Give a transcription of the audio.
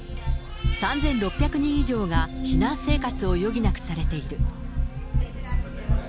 ３６００人以上が避難生活を余儀なくされている。